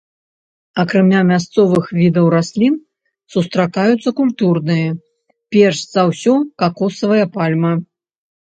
Акрамя мясцовых відаў раслін сустракаюцца культурныя, перш за ўсё какосавая пальма.